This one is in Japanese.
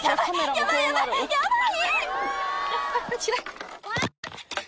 ヤバいヤバいヤバい！